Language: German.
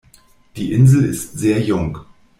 Die Insel ist sehr jung.